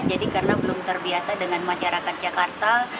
jadi karena belum terbiasa dengan masyarakat jakarta